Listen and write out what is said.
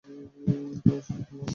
তুমি এসেছ, আমি খুব খুশি।